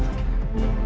kalo saya tidak menang